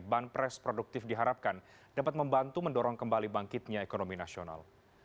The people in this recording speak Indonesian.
banpres produktif diharapkan dapat membantu mendorong kembali bangkitnya ekonomi nasional